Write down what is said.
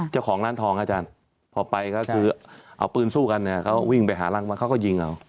เจ้าของร้านทองอาจารย์พอไปก็คือเอาปืนสู้กันเนี่ยเขาวิ่งไปหารังมาเขาก็ยิงเอา